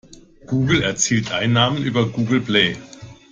Google erzielt Einnahmen über Google Play.